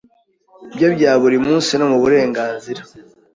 bye bya buri munsi no mu burenganzira